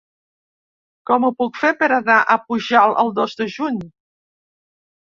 Com ho puc fer per anar a Pujalt el dos de juny?